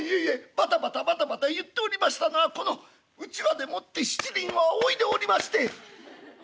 バタバタバタバタ言っておりましたのはこのうちわでもってしちりんをあおいでおりまして」。